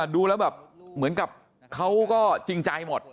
ดูแล้วแบบเหมือนกับเขาก็จริงใจหมด